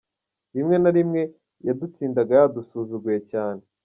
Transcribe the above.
Rimwe na Rimwe yadutsindaga yadusuzuguye cyane